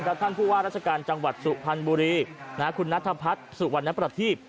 ท่านผู้ว่าราชการจังหวัดสุพรรณบุรีคุณนัทพัฒน์สุวรรณประทีพ